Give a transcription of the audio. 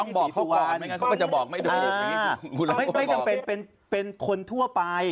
แล้วใครล่ะจะไปฟ้องใครล่ะเป็นคนที่มาปกป้องนายก